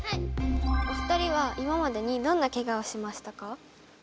お二人は今までにどんなケガをしましたか？